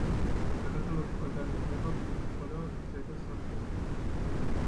საქართველოში ყველგან იზრდება მთის შუა და ზედა სარტყელში.